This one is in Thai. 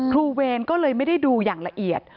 เวรก็เลยไม่ได้ดูอย่างละเอียด